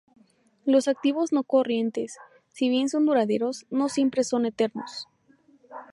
Los activos no corrientes, si bien son duraderos, no siempre son eternos.